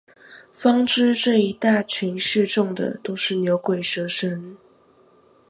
方知這一大群示眾的都是牛鬼蛇神